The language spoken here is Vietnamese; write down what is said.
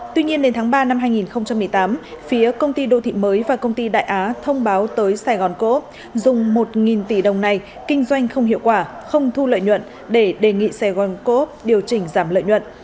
tuy nhiên đến tháng ba năm hai nghìn một mươi tám phía công ty đô thị mới và công ty đại á thông báo tới sài gòn cô ốc dùng một tỷ đồng này kinh doanh không hiệu quả không thu lợi nhuận để đề nghị sài gòn cố điều chỉnh giảm lợi nhuận